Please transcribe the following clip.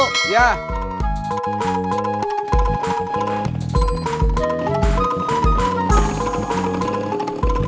saya berangkat ke sana